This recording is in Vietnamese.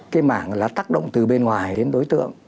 cái mảng là tác động từ bên ngoài đến đối tượng